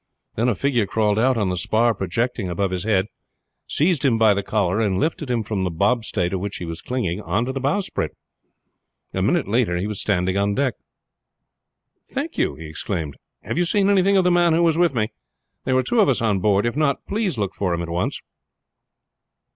Then a figure crawled out on the spar projecting above his head, seized him by the collar, and lifted him from the bobstay to which he was clinging on to the bowsprit. A minute later he was standing on the deck. "Thank you!" he exclaimed. "Have you seen anything of the man who was with me? There were two of us on board. If not, please look for him at once."